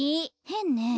へんね。